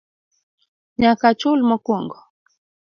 Nyaka achul mokwongo